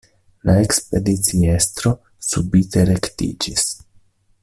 La ekspediciestro subite rektiĝis.